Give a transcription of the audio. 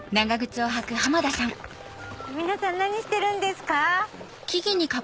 ちょっと皆さん何してるんですか？